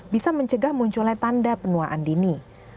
bisa mencegah munculnya tanda penuaan dini